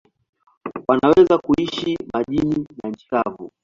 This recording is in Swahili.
Wanaweza kuishi majini na nchi kavu.